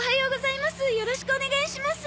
よろしくお願いします。